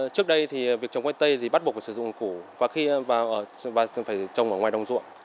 trước đây thì việc trồng khoai tây thì bắt buộc phải sử dụng củ và phải trồng ở ngoài đông ruộng